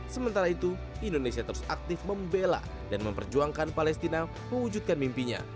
sementara itu indonesia terus aktif membela dan memperjuangkan palestina mewujudkan mimpinya